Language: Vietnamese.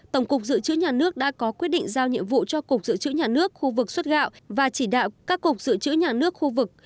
tổng cục dự trữ nhà nước đã có quyết định giao nhiệm vụ cho cục dự trữ nhà nước khu vực xuất gạo và chỉ đạo các cục dự trữ nhà nước khu vực